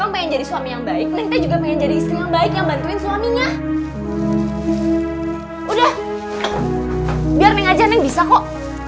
biar neng aja neng bisa kok